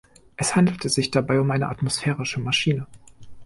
Es handelte sich dabei um eine atmosphärische Maschine.